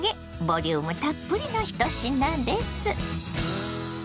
ボリュームたっぷりの１品です。